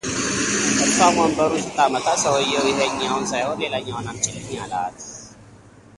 እርሷም ወንበሩን ስታመጣ ሰውየው ይኸኛውን ሳይሆን ሌላኛውን አምጪልኝ አላት፡፡